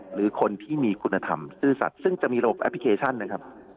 หรือคนที่มีคุณธรรมซื่อสัตว์ซึ่งจะมีระบบแอปพลิเคชันนะครับ